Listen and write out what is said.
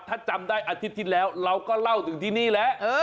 ถ้าจำได้อาทิตย์ที่แล้วเราก็เล่าถึงที่นี่แหละ